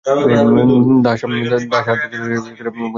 দাস আর তার ছেলেরা আমাদেরকে এখানে বন্দি করে রেখেছে।